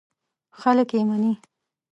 خلک یې مني.